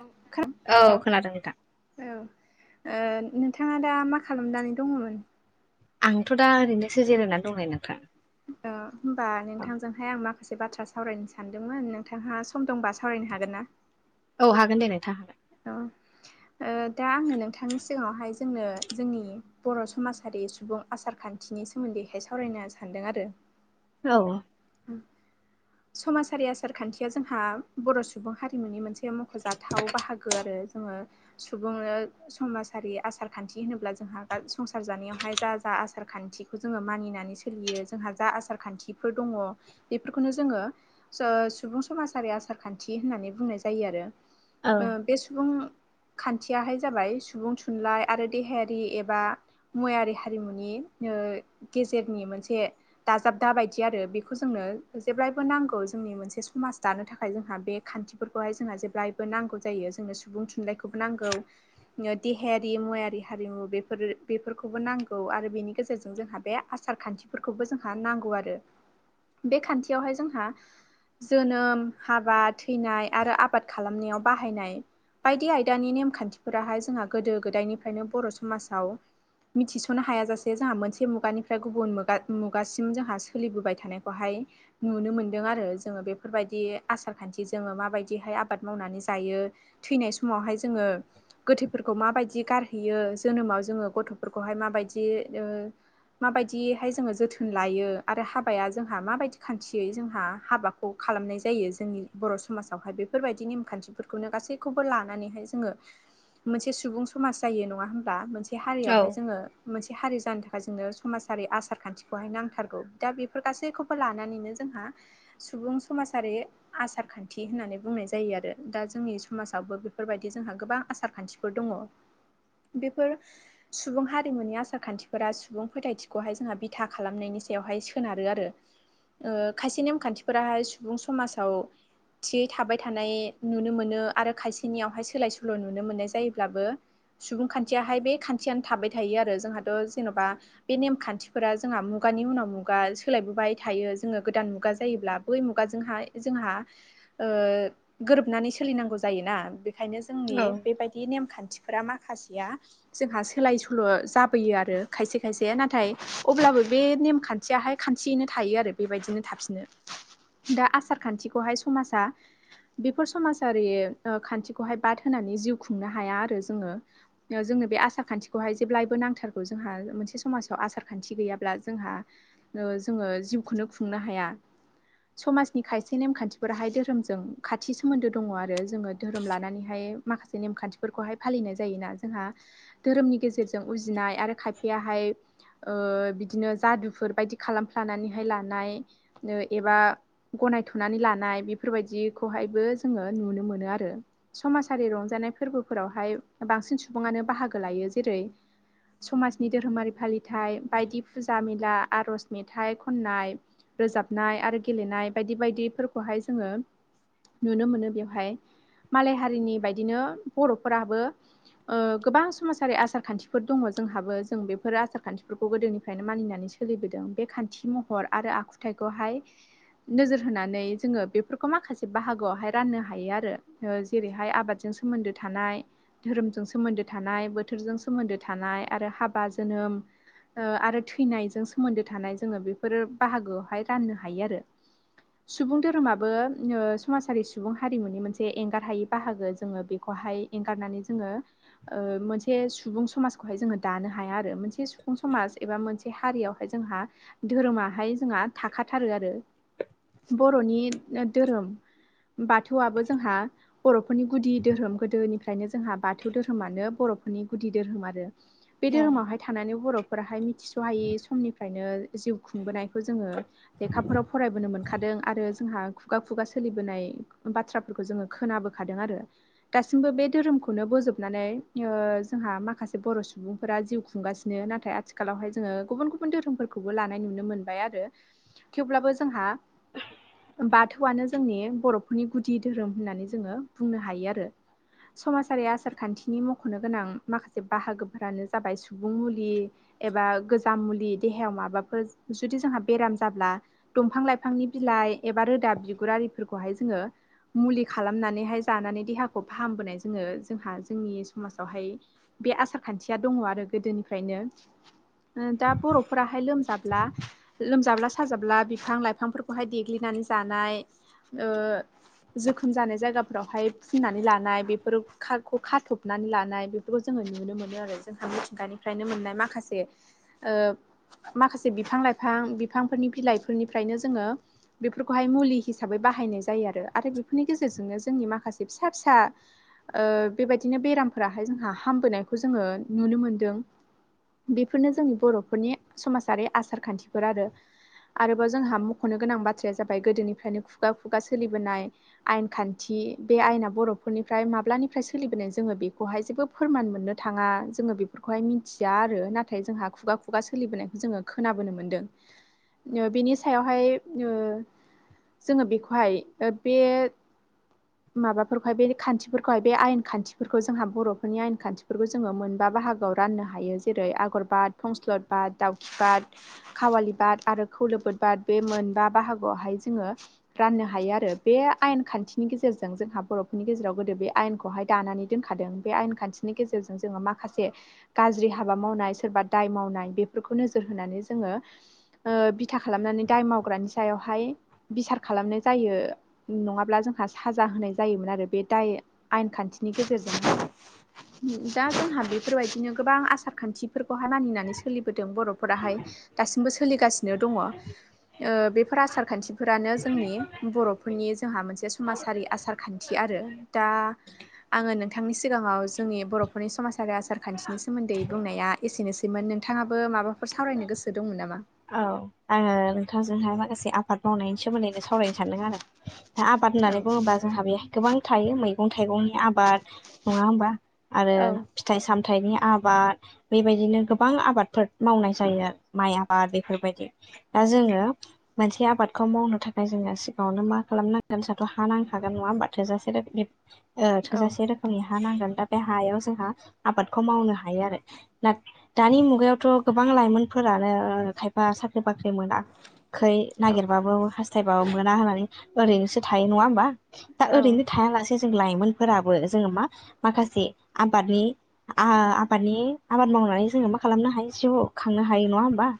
औ खोना औ खोनादों नोंथां। औ नोंथाङा दा मा खालामनानै दङमोन। आंथ' दा ओरैनोसो जिरायनानै दंनाय नोंथां। ओ होनोमबा औ नोंथांजोंहाय आं माखासे बाथ्रा सावरायनो सानदोंमोन नोंथाङहा सम दंबा सावरायनो हागोन ना? औ हागोन दे नोंथा हागोन। औ ओ दा आङो नोंथांनि सिगाङावहाय जोंनो जोंनि बर' समाजारि सुबुं आसार खान्थिनि सोमोन्दैहाय सावरायनो सान्दों आरो। औ उम समाजारि आसार खान्थिया जोंहा बर' सुबुं हारिमुनि मोनसे बे मख'जाथाव बाहागो आरो जोङो सुबुंनो समाजारि आसारखान्थि होनोब्ला जों जोंहा संसार जानायावहाय जा जा आसार आसार खान्थिखौ जोङो मानिनानै सोलियो जोंहा जा आसार खान्थिफोर दङ बेफोरखौनो जोङो सओ सुबुं समाजारि आसार खान्थि होननानै बुंनाय जायो आरो। औ ओ बे सुबुं खान्थियाहाय जाबाय सुबुं थुनलाइ आरो देहायारि एबा मुवारि हारिमुनि ओ गेजेरनि मोनसे दाजाबदा बायदि आरो बे बेखौ जोंनो जेब्लायबो नांगौ जोंनि मोनसे समाज दानो थाखाय जोंहा बे खान्थिफोरखौहाय जोंहा जेब्लाय नांगौ जायो जोंनो सुबुं थुनलाइखौबो नांगौ। देहायारि मुवारि हारिमु बेफोरो बेफोरखौबो नांगौ आरो बेनि गेजेरजों जोंहा बे आसार खान्थिफोरखौबो जोंहा नांगौ आरो। बे खान्थियावहाय जोंहा जोनोम, हाबा, थैनाय आरो आबाद खालामनायाव बाहायनाय बायदि आयदानि नेमखान्थिफोराहाय जोंहा गोदो गोदायनिफ्रायनो बर' समाजाव मिथिस'नो हायाजासे जोंहा मोनसे मुगानिफ्राय गुबुन मुगा मुगासिम जोंहा सोलिबोबाय थानाय। बहाय नुनो मोनदों आरो जोङो बेफोरबायदि आसार खान्थि जोङो माबायदिहाय आबाद मावनानै जायो। थैनाय समावहाय जोङो गोथैफोरखौ माबायदि गारहैयो जोनोमाव जोङो गथ'फोरखौहाय माबायदि ओ माबायदिहाय जोङो जोथोन लायो आरो हाबाया जोंहा माबायदि खान्थियै जोंहा हाबाखौ खालामनाय जायो जोंनि बर' समाजावहाय बेफोरबायदि नेमखान्थि बेफोरखौनो गासैखौबो लानानैहाय जोङो मोनसे सुबुं समाज जायो नङा होमबा मोन मोनसे औ हारियावहाय जोङो मोनसे हारि जानो थाखाय जोंनो समाजारि आसारखान्थिखौहाय नांथारगौ दा बे फोर गासैखौबो लानानैनो जोंहा सुबुं समाजारि आसार खान्थि होननानै बुंनाय जायो आरो दा जोंनि समाजावबो बेफोरबायदि जोंहा गोबां आसार खान्थि फोर दङ बेफोर सुबुं हारिमुनि आसार खान्थिफोरा सुबुं फोथायथिखौहाय जोंहा बिथा खालामनायनि सायावहाय सोनारो आरो ओ खायसे नेमखान्थिफोराहाय सुबुं समाजाव थियै थाबाय थानाय नुनो मोनो आरो खायसेनियावहाय सोलाय सोल' नुनो मोननाय जायोब्लाबो सुबुं खान्थियाहाय बे खान्थियानो थाबाय थायो आरो जोंहाथ' जेन'बा बे नेमखान्थिफोरा जोंहा मुगानि उनाव मुग मुगा सोलायबोबाय थायो जोङो गोदान मुगा जायोब्ला बै मुगाजोंहाय जोंहा ओ गोरोबनानै सोलिनांगौ जायोना बेखायनो जोंनि औ बेबायदि नेमखान्थि फोरा माखासेया जोंहा सोलाय सोल' जाबोयो आरो खायसे खायसे नाथाय अब्लाबो बे नेमखा न्थियाहाय खान्थियैनो थायो आरो बेबायदिनो थाफिनो। दा आसार खान्थिखौहाय समाजा बेफोर समाजारि खान्थिखौहाय बाद होनानै जिउ खुंनो हाया आरो जोङो। ओ जोंनो बे आसार खान्थिखौहाय जेब्लायबो नांथारगौ जोंहा मोनसे समाजाव आसार खान्थि गैयाब्ला जोंहा ओ जोङो जिउखौनो खुंनो हाया। समाजनि खायसे नेमखान्थिफोराहाय धोरोमजों खाथि सोमोन्दो दङ आरो जोङो धोरोम लानानैहाय माखासे नेमखान्थिफोरखौहाय फालिनाय जायोना जोंहा धोरोमनि गेजेरजों उजिनाय आरो खायफायाहाय ओ बिदिनो जादु फोरबायदि खालामफ्लानानैहाय लानाय ओ एबा गनायथ'नानै लानाय बेफोरबायदिखौहायबो जोङो नुनो मोनो आरो। समाजारि रंजानाय फोरबोफोरावहाय बांसिन सुबुङानो बाहागो लायो जेरै समाजनि धोरोमारि फालिथाय बायदि फुजा मेला आर'ज मेथाइ खन्नाय रोजाबनाय आरो गेलेनाय बायदि बायदिफोरखौहाय जोङो नुनो मोनो बेवहाय मालाय हारिनि बायदिनो बर'फोराबो ओ गोबां समाजारि आसार खान्थिफोर दङ जोंहाबो जों बेफोर आसार खान्थिफोरखौ गोदोनिफ्रायनो मानिनानै सो सोलिबोदों बे खान्थि महर आरो आखुथायखौहाय नोजोर होनानै जोङो बेफोरखौ माखासे बाहागोआवहाय राननो हायो आरो। ओ जेरैहाय आबादजों सोमोन्दो थानाय धोरोमजों सोमोन्दो थानाय बोथोरजों सोमोन्दो थानाय आरो हाबा जोनोम ओ आरो थैनायजों सोमोन्दो थानाय जोङो बेफोर बाहागोआवहाय राननो हायो आरो। सुबुं धोरोमाबो ओ समाजारि सुबुं हारिमुनि मोनसे एंगार हायै बाहागो जोङो बेखौहाय एंगारनानै जोङो ओ मोनसे सुबुं समाजखौहाय जोङो दानो हाया आरो मोनसे सुबुं समाज एबा मोनसे हारियाव ओमफ्राय जोंहा धोरोमाहाय जोंहा थाखाथारो आरो। बर'नि धोरोम बाथौआबो जोंहा बर'फोरनि गुदि धोरोम गोदोनिफ्रायनो जोंहा बाथौ धोरोमानो बर'फोरनि गुदि धोरोम आरो। बे औ धोरोमावहाय थानानै बर'फोराहाय मिथिस'हायै समनिफ्रायनो जिउ खुंबोनायखौ जोङो लेखाफोराव फरायबोनो मोनखादों आरो जोंहा खुगा खुगा सोलिबोनाय बाथ्रा फोरखौ जोङो खोनाबोखादों आरो। दासिमबो बे धोरोमखौनो बोजोबनानै ओ जोंहा माखासे बर' सुबुंफोरा जिउ खुंगासि नो नाथाय आथिखालावहाय जोङो गुबुन गुबुन धोरोमफोरखौबो लानाय नुनो मोनबाय आरो थेवब्लाबो जोंहा बाथौआनो जोंनि बर' बेफोरनि गुदि धोरोम होननानै जोङो बुंनो हायो आरो। समाजारि आसारखान्थिनि मख'नो गोनां माखासे बाहागोफोरानो जाबाय सुबुं मुलि, एबा गोजाम मुलि देहायाव माबाफोर जुदि जोंहा बेराम जाब्ला दंफां लाइफांनि बिलाइ एबा रोदाब बिगुर आरिफोरखौहाय जोङो मुलि खालामनानैहाय जानानै देहाखौ फाहामबोनाय जोङो जोंहा जोंनि समाजावहाय बे आसार खान्थिया दङ आरो गोदोनिफ्रायनो। दा बर'फोराहाय लोमजाब्ला लोमजाब्ला साजाब्ला बिफां लाइफांफोरखौहाय देग्लिनानै जानाय ओ जोखोम जानाय जायगाफोरावहाय फुननानै लानाय बेफोरखौ खाथबनानै लानाय बे बेफोरखौ जोङो नुनो मोनो आरो जोंहा मिथिंगानिफ्रायनो मोननाय माखासे ओ माखासे बिफां लाइफां बिफांफोरनि बिलाइफोरनिफ्रायनो जोङो बेफोरखौहाय मुलि हिसाबै बाहायनाय जायो आरो आरो बेफोरनि गेजेरजोंनो जोंनि माखासे फिसा फिसा ओ बेबायदिनो बेरामफोराहाय जोंहा हामबोनायखौ जोङो नुनो मोनदों। बेफोरनो जोंनि बर'फोरनि समाजारि आसार खान्थिफोर आरो। आरोबाव जोंहा मख'नो गोनां बाथ्राया जाबाय गोदोनिफ्रायनो खुगा खुगा सोलिबोनाय आयेन खान्थि बे आयना बर'फोरनिफ्राय माब्लानिफ्राय सोलिबोनाय जोङो बेखौहाय जेबो फोरमान मोननो थाङा जोङो बेफोरखौहाय मिथिया आरो नाथाय जोंहा खुगा खुगा सोलिबोनायखौ जोङो खोनाबोनो मोन्दों बिनि सायावहाय जोङो बेखौहाय बे माबाफोरखौहाय बे खान्थिफोरखौहाय बे आयेन खान्थिफोरखौ जोंहा बर'फोरनि आयेन खान्थिफोरखौ जोङो मोनबा बाहागोआव राननो हायो जेरै आगरबाद फंस्लत बाद दाउखि बाद खावालि बाद आरो खलोबोद बाद बे मोनबा बाहागोआवहाय जोङो राननो हायो आरो बे आयेन खान्थिनि गेजेरजों जोंहा बर'फोरनि गेजेराव गोदो बे आयेनखौहाय दानानै दोनखादों बे आयेन खान्थिनि गेजेरजों जोङो माखासे गाज्रि हाबा मावनाय सोरबा दाय मावनाय बेफोरखौ नोजोर होनानै जोङो बिथा खालामनानै दाय मावग्रानि सायावहाय बिसार खालामनाय जायो नङाब्ला जोंहा साजा होनाय जायोमोन आरो बे दाय आयेन खान्थिनि गेजेरजों दा जोंहा बेफोरबायदिनो गोबां आसार खान्थि मानिनानै सोलिबोदों बर'फोराहाय दासिमबो सोलिगासिनो बेफोर आसार खान्थिफोरानो जोंनि बर फोरनि जोंहा मोनसे समाजारि आसार खान्थि आरो दा आङो नोंथांनि सिगाङाव जोंनि बर'फोरनि समाज आरो आसार खान्थिनि सोमोन्दै बुंनाया एसेनोसैमोन नोंथाङाबो माबाफोर सावरायनो गोसो दंमोन नामा? औ आङो नोंथांजोंहाय माखासे आबाद मावनायनि सोमोन्दैनो सावरायनो सानदों आरो आबाद औ होन्नानै बुङोब्ला जोंहा बेहाय गोबां थायो मैगं थाइगंनि आबाद नङा होमबा आरो फिथाइ सामथाइनि आबाद बेबायदिनो गोबां आबादफोर मावनाय जायो माइ आबाद बा बेफोरबायदि दा जोङो मोनसे आबादखौ मावनो थाखाय जोङो सिगाङावनो मा खालामनांगोन साथ' हा नांखागोन नङा होनोमबा थोजासे रोखोमनि औ थोजासे रोखोमनि हा नांगोन दा बे हायाव जोंहा आबाद दानि मुगायावथ' गोबां लाइमोनफोरानो खायफा साख्रि बाख्रि मोनाखै नागेबाबो हास थाबाबो मोना होननानै ओरैनोसो थायो नङा होमबा दा ओरैनो थायालासे जों लाइमोनफोराबो जोङो मा माखासे आबादनि आबादनि आबाद मावनानै जोङो मा खालामनो हायो जिउ खांनो हायो नङा होमबा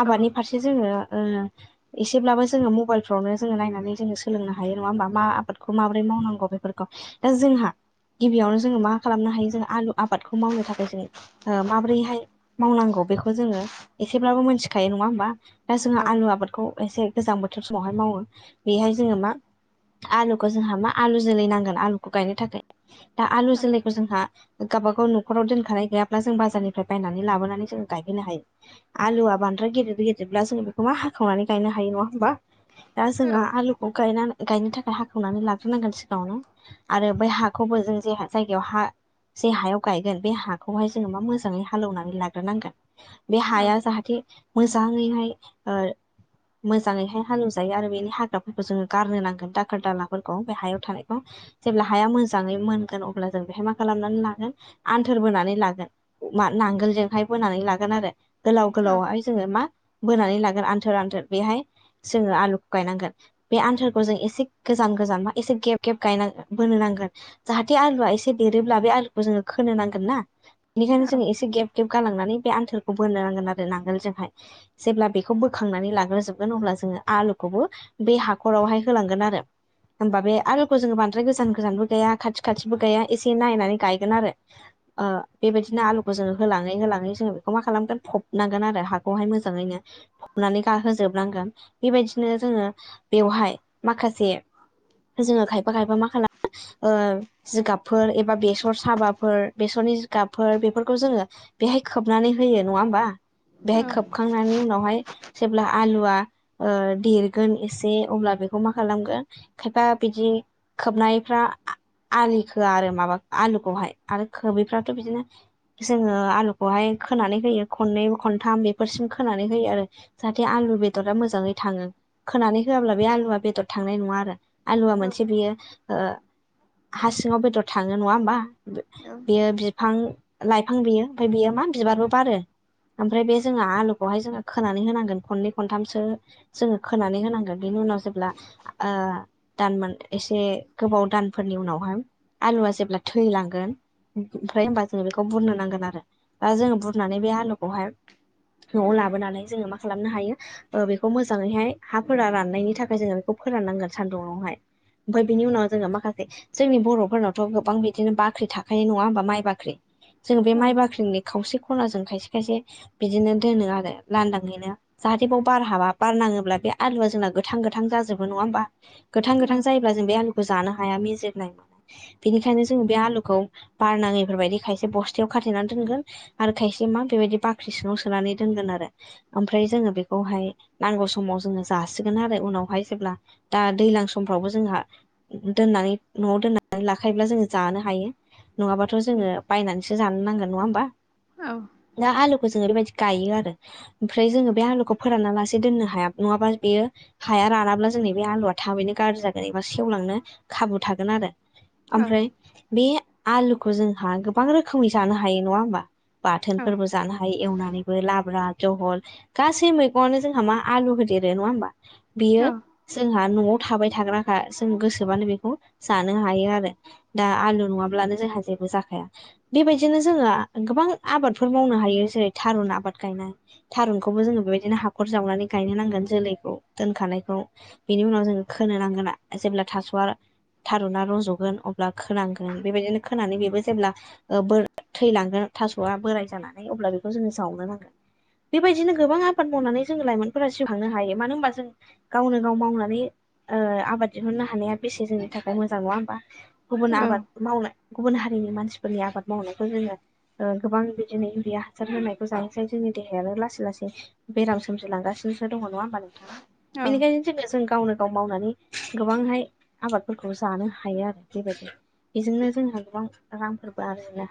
आबादनि फारसे जोङो एसेब्लाबो जोङो मबाइलफ्रावनो जोङो नायनानै जोङो सोलोंनो हायो नङा होमबा मा आबादखौ माबोरै मावनांगौ बेफोरखौ दा जोंहा गिबियावनो जोङो मा खालामनो हायो जों आलु आबादखौ मावनो थाखाय जों माब्रैहाय मावनांगौ बेखौ जोङो एसेब्लाबो मिथिखायो नङा होमबा दा जोङो आलु आबादखौ एसे गोजां बोथोर समावहाय मावो बेहाय जोङो मा आलुखौ जोंहा मा आलु जोलै नांगोन आलुखौ गायनो थाखाय दा आलु जोलैखौ जोंहा गावबाागाव न'खराव दोनखानाय गैयाब्ला जों बाजारनिफ्राय बायनानै लाबोनानै जों गायहोनो हायो आलुआ बांद्राय गेदेर गेदेरब्ला जोङो बेखौ मा हाखावनानै गायनो हायो नङा होमबा दा जोङहा आलु बेखौ गायनो थाखाय हाखेवनानै लाग्रोनांगोन सिगाङावनो आरो बै हाखौबो जों जे जायगायाव हा जे हायाव गायगोन बे हाखौहाय जोङो मा मोजाङै हालेवनानै लाग्रोनांगोन बे हाया जाहाथे मोजाङै हाय ओ मोजाङैहाय हालवजायो आरो बेनि हाग्राफोरखौ जोङो गारनो नांगोन दाखोर दालाफोरखौ फ्राय हायाव थानायखौ जेब्ला हाया मोजाङै मोनगोन अब्ला जों बेहाय मा खालामनानै लागोन आन्थार बोनानै लागोन मा नांगोलजोंहाय बोनानै लागोन आरो गोलाव गोलावहाय जोङो मा बोनानै लागोन आन्थोर आन्थेर बेहाय जोङो आलुखौ गायनांगोन बे आन्थारखौ जों एसे गोजान गोजान बा एसे गेब गेब गायना बोनो नांगोन जाहाथे आलुआ एसे देरोब्ला बे आलुखौ जोङो खोनो नांगोन ना बेनिखायनो जोङो एसे गेब गेब गालांनानै बे आन्थारखौ बोनो नांगोन आरो नांगोल जोंहाय जेब्ला बेखौ बोखांनानै लाग्रोजोबगोन अब्ला जोङो आलुखौबो बे हाखरावहाय होलांगोन आरो होमबा बे आलुखौ जोङो बांद्राय गोजान गोजानबो गैया खाथि खाथिबो गैया एसे नायनानै गायगोन आरो ओ बेबायदिनो आलुखौ जोङो होलाङै होलाङै जोङो बेखौ माख खालामगोन फबनांगोन आरो हाखौहाय मोजाङैनो फबनानै गाहोजोबनांगोन बेबायदिनो जोङो बेवहाय माखासे जोङो खायफा खायफा मा खालामो ओ जिगाबफोर एबा बेसर साबाफोर बेसरनि जिगाबफोर बेफोरखौ जोङो बेहाय खोबनानै होयो नङा होमबा बेहाय औ खोबखांनायनि उनावहाय जेब्ला आलुआ ओ देरगोन एसे अब्ला बेखौ मा खालामगोन खायफा बिदि खोबनायफ्रा आलि खो आरो माबा आलुखौहाय आरो खोबैफ्राथ' बिदिनो जोङो आलुखौहाय खोनानै होयो खननै खनथाम बेफोरसिम खोनानै होयो आरो जाहाथे आलु बेदरा मोजाङै थाङो खोनानै होआब्ला बे आलुआ बेदर थांनाय नङा आरो आलुवा मोनसे बियो हा सिङाव बेदर थाङो नङा होमबा बियो बिफां लाइफां बियो ओमफ्राय बियो मा बिबारबो बारो ओमफ्राय बे जोंहा आलुखौहाय जोङो खोनानै होनांगोन खननै खनथामसो जोङो खोनानै होनांगोन नो उनाव जेब्ला ओ दानमोन एसे गोबाव दानफोरनि उनावहाय आलुआ जेब्ला थैलांगोन ओमफ्राय होनबा जोङो बेखौ बुरनो नांगोन आरो दा जोङो बुरनानै बे आलुखौहाय नआव लाबोनानैाय जोङो मा खालामनो हायो ओ बेखौ मोजाङैहाय हाफोरा राननायनि थाखाय जोङो बेखौ फोराननांगोन सान्दुङावहाय ओमफ्राय बिनि उनाव जोङो माखासे जोंनि बर फोरनावथ गोबां बिदिनो बाख्रि थाखायो नङा होमबा माइ बाख्रि जोङो बे माइ बाख्रिनि खावसे खनाजों खायसे खायसे बिदिनो दोनो आरो लान्दांयैनो जाहाथे बाव बार हाबा बारनाङोब्ला बे आलुआ जोंना गोथां गोथां जाजोबो नङा होमबा गोथां गोथां जाय ब्ला जों बे आलुखौ जानो हाया मि जिरनाय मोनाय बेनिखायनो जों बे आलुखौ बारनाङैफोरबायदि खायसे बस्थायाव खाथेनानै दोनगोन आरो खायसे मा बेबायदि बाख्रि सिङाव सोनानै दोनगोन आरो ओमफ्राय जोङो बेखौहाय नांगौ समाव जोङो जासिगोन आरो उनावहाय जेब्ला दा दैलां समफ्रावबो जोंहा दोननानै नआव दोननानै लाखायोब्ला जोङो जानो हायो नङाबाथ जोङो बायनानैसो जानो नांगोन नङा होमबा औ ना आलुखौसो ओरैबायदि गायो आरो ओमफ्राय जोङो बे आलुखौ फोराना लासे दोननो हाया नङाबा बेयो हाया रानाब्ला जोंनि बे आलुआ थाबैनो गाज्रि जागोन एबा सेवलांनो खाबु थागोन आरो ओमफ्राय बे आलुखौ जोंहा गोबां रोखोमै जानो हायो नङा होमबा बाथोनफोरबो जानो हायो एवनानैबो लाब्रा जहल गासै मैगङानो जोंहा मा आलु होदेरो नङा होमबा बियो जोंहा नआव थाबाय थाग्राखा जों गोसोबानो बेखौ जानो हायो आरो दा आलु नङाब्लानो जोंहा जेबो जाखाया बेबायदिनो जोंआ गोबां आबादफोर मावनो हायो जेरै थारुन आबाद गायनाय थारुनखौबो जोङो बेबायदिनो हाखर जावनानै गायनो नांगोन जोलैखौ दोनखानायखौ बिनि उनाव जोङो खोनो नांगोना जेब्ला थास'वआ थारुना रजगोन अब्ला खोनांगोन बेबायदिनो खोनानै बेबो जेब्ला ओ बोर थैलांगोन थासआ बोराय जानानै अब्ला बेखौ जोङो जावनो नांगोन बेबायदिनो गोबां आबाद मावनानै जोङो लाइमोनफोरा जिउखांनो हायो मानो होनबा जों गावनो गाव मावनानै ओ आबाद दिहुननो हानाया बेसे जोंनि थाखाय मोजां नङा होमबा गुबुन आबाद मावनाय गुबुन हारिनि मानसिफोरनि आबाद मावनायखौ जोङो ओ गोबां बिदिनो इउरिया हासार होनायखौ जानोसाय जोंनि देहायानो लासै-लासै बेराम सोमजिलांगासिनोसो दङ नङा होमबा नोंथां। बेनिखायनो जोंनो जों गावनो गाव मावनानै गोबांहाय आबादफोरखौ जानो हायो आरो बेबायदि। बेजोंनो जोंहा गोबां रांफोरबो आरजिनो